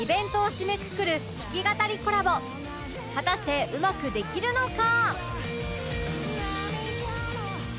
果たしてうまくできるのか？